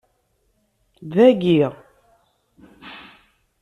Dagi?